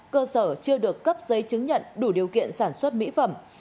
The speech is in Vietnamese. cơ sở chưa được cấp giấy chứng nhận đủ điều kiện sản xuất mỹ phẩm